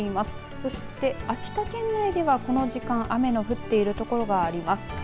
そして秋田県内ではこの時間雨の降っている所があります。